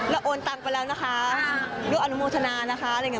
โอนตังไปแล้วนะคะด้วยอนุโมทนานะคะอะไรอย่างเ